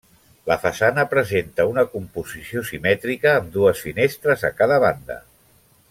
La façana presenta una composició simètrica, amb dues finestres a cada banda.